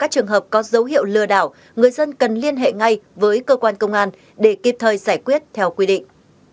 trường hợp có dấu hiệu lừa đảo người dân cần liên hệ ngay với cơ quan công an để kịp thời giải quyết theo quy định